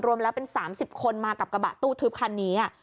รวมแล้วเป็น๓๐คนมากับกระบะตู้ทึบคันนี้